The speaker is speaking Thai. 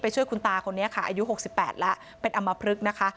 ช่วยคุณตาคนนี้ค่ะอายุ๖๘แล้วเป็นอำมพลึกนะคะ